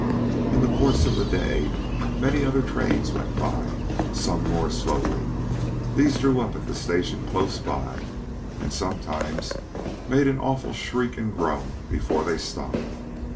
In the course of the day many other trains went by, some more slowly; these drew up at the station close by, and sometimes made an awful shriek and groan before they stopped.